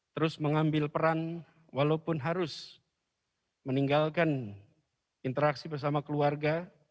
terus mengambil peran walaupun harus meninggalkan interaksi bersama keluarga